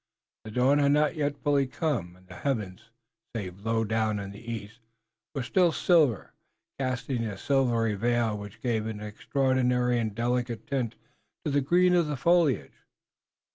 The dawn had not yet fully come, and the heavens, save low down in the east, were still silver, casting a silvery veil which gave an extraordinary and delicate tint to the green of foliage.